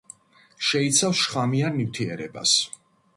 შეიცავს შხამიან ნივთიერებას.